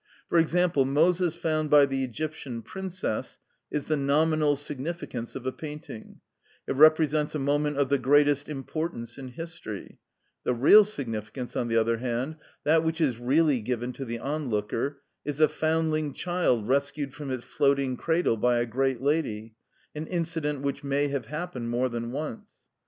For example, Moses found by the Egyptian princess is the nominal significance of a painting; it represents a moment of the greatest importance in history; the real significance, on the other hand, that which is really given to the onlooker, is a foundling child rescued from its floating cradle by a great lady, an incident which may have happened more than once.